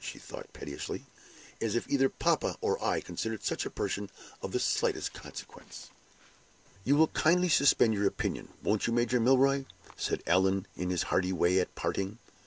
she thought, pettishly. "As if either papa or I considered such a person of the slightest consequence!" "You will kindly suspend your opinion, won't you, Major Milroy?" said Allan, in his hearty way, at parting.